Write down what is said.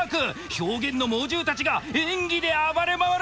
表現の猛獣たちが演技で暴れ回る！